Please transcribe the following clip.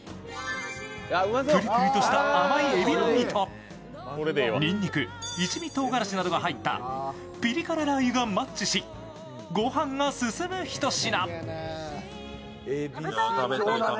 ぷりぷりとした甘いえびの身とにんにく一味とうがらしなどが入ったピリ辛ラー油がマッチし御飯が進むひと品。